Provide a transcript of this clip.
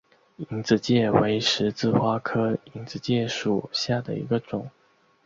隐子芥为十字花科隐子芥属下的一个种。